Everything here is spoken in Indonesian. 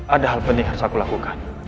ada hal penting harus aku lakukan